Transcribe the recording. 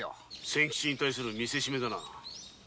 仙吉に対する見せしめだな。